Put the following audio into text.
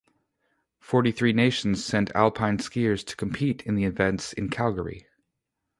Forty-three nations sent alpine skiers to compete in the events in Calgary.